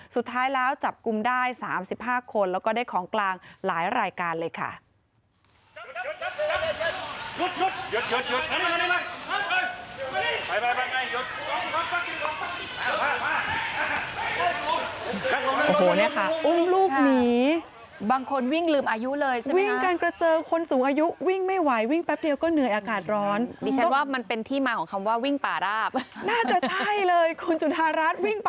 สุดท้ายแล้วจับกลุ่มได้๓๕คนแล้วก็ได้ของกลางหลายรายการเลยค่ะ